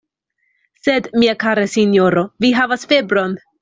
Sed, mia kara sinjoro, vi havas febron!